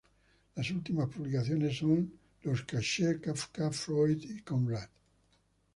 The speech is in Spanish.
Las últimas publicaciones son los Cahiers Kafka, Freud y Conrad.